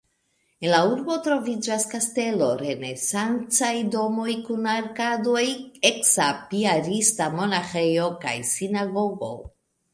En la urbo troviĝas kastelo, renesancaj domoj kun arkadoj, eksa piarista monaĥejo kaj sinagogo.